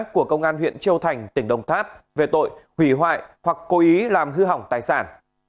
của công an huyện châu thành tỉnh đồng tháp về tội hủy hoại hoặc cố ý làm hư hỏng tài sản